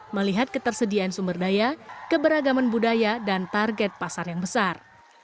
melihat ketersediaan sumber daya keberagaman budaya dan target pasar yang besar